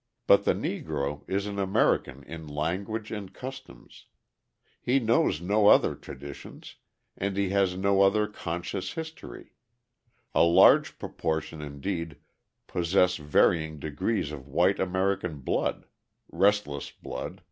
But the Negro is an American in language and customs; he knows no other traditions and he has no other conscious history; a large proportion, indeed, possess varying degrees of white American blood (restless blood!)